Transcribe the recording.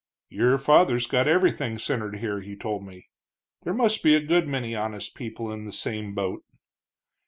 "Your father's got everything centered here, he told me. There must be a good many honest people in the same boat."